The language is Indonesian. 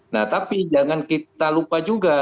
nah tapi jangan kita lupa juga